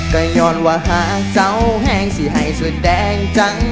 ก็ย้อนว่าหากเจ้าแห้งสิให้สุดแดงจัง